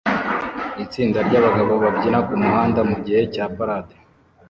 Itsinda ryabagabo babyina kumuhanda mugihe cya parade